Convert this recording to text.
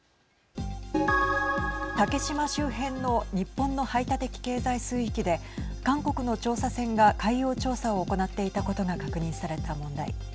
竹島周辺の日本の排他的経済水域で韓国の調査船が海洋調査を行っていたことが確認された問題。